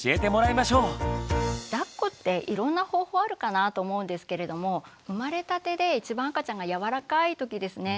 だっこっていろんな方法あるかなと思うんですけれども生まれたてで一番赤ちゃんがやわらかい時ですね。